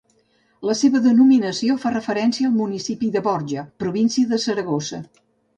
La seva denominació fa referència al municipi de Borja, província de Saragossa.